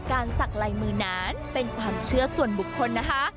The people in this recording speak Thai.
สักลายมือนั้นเป็นความเชื่อส่วนบุคคลนะคะ